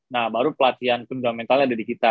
nah baru pelatihan fundamentalnya ada di kita